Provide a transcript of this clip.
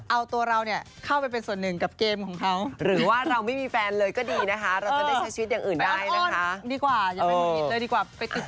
เอาตัวเราเนี่ยเข้าไปเป็นส่วนหนึ่งกับเกมของเขา